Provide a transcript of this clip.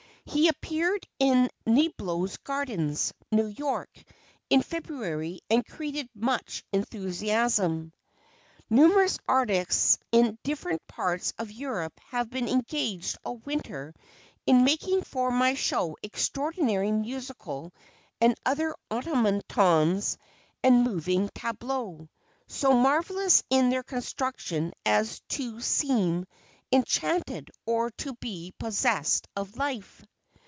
He appeared at Niblo's Garden, New York, in February, and created much enthusiasm. Numerous artists in different parts of Europe have been engaged all winter in making for my show extraordinary Musical and other Automatons and Moving Tableaux, so marvelous in their construction as to seem enchanted or to be possessed of life.